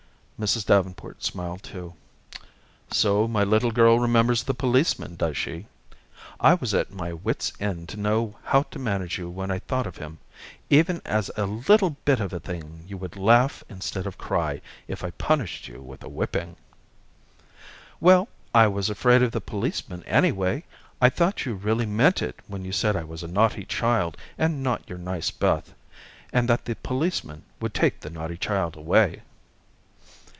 Mrs. Davenport smiled too. "So my little girl remembers the policeman, does she? I was at my wits' end to know how to manage you when I thought of him. Even as a little bit of a thing, you would laugh instead of cry, if I punished you with a whipping." "Well, I was afraid of the policeman, anyway. I thought you really meant it when you said I was a naughty child, and not your nice Beth, and that the policeman would take the naughty child away."